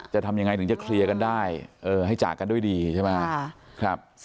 จะทำยังไงถึงจะเคลียร์กันได้ให้จากกันด้วยดีใช่ไหม